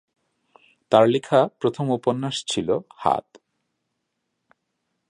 তার লেখা প্রথম উপন্যাস ছিল 'হাত'।